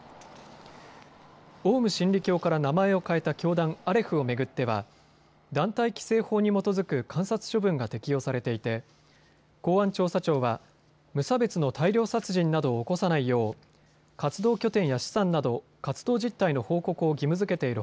オウム真理教から名前を変えた教団アレフを巡っては団体規制法に基づく観察処分が適用されていて公安調査庁は無差別の大量殺人などを起こさないよう活動拠点や資産など活動実態を報告を義務づけている